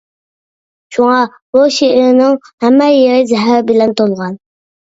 شۇڭا بۇ شېئىرنىڭ ھەممە يېرى زەھەر بىلەن تولغان.